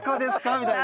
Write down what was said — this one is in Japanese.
みたいな。